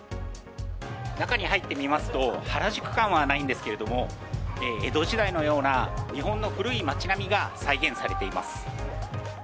中に入ってみますと、ハラジュク感はないんですけれども、江戸時代のような日本の古い町並みが再現されています。